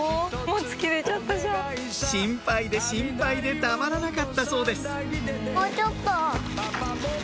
心配で心配でたまらなかったそうです